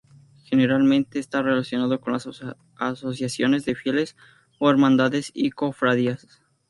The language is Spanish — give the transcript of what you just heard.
Generalmente está relacionado con las Asociaciones de Fieles o Hermandades y Cofradías.